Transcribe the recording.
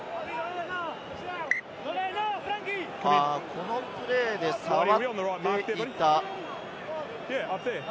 このプレーで触っていた？